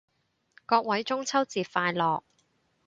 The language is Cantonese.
各位中秋節快樂